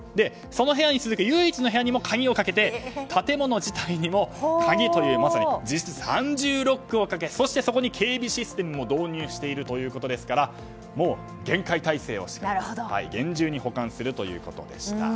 その部屋に続く唯一の部屋にも鍵をかけて建物自体にも鍵というまさに実質三重ロックをかけそこに警備システムも導入しているということですから厳戒態勢を敷いて厳重に保管するということでした。